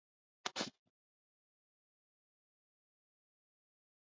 Tunajua kuongea Kifaransa na Kijerumani